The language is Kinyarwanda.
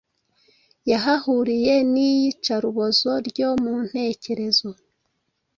yahahuriye 'n'iyicarubozo ryo mu ntekerezo,